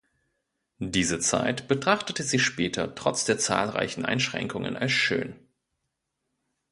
Diese Zeit betrachtete sie später trotz der zahlreichen Einschränkungen als schön.